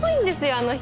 あの人。